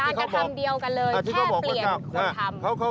กระทำเดียวกันเลยแค่เปลี่ยนคนทำ